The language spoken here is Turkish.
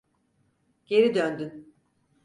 Geri döndün!